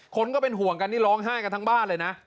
ก็เป็นห่วงกันนี่ร้องไห้กันทั้งบ้านเลยนะ